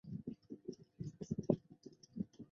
它可在众多操作系统。